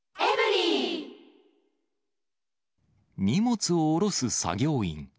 荷物を降ろす作業員。